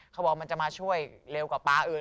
เขาบอกว่ามันจะมาช่วยเร็วกว่าปลาอื่น